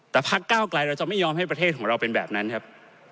แต่พักเก้าไกลเราจะไม่ยอมให้ประเทศของเราเป็นแบบนั้นครับ